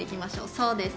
そうです